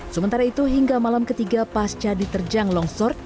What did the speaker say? sementara itu hingga malam ketiga pasca diterjang longsor